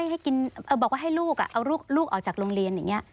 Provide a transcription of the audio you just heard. ให้ลูกออกจากโรงเรียนอย่างนี้